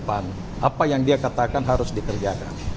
apa yang dia katakan harus dikerjakan